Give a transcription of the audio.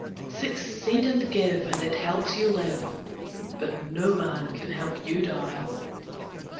Succeed and give, and it helps you live, But no man can help you die.